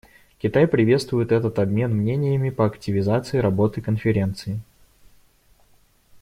Китай приветствует этот обмен мнениями по активизации работы Конференции.